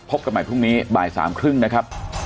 พบกันใหม่พรุ่งนี้บ่ายสามครึ่งนะครับ